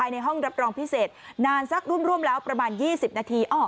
ในห้องรับรองพิเศษนานสักร่วมแล้วประมาณ๒๐นาที